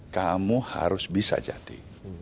kamu harus bisa jadi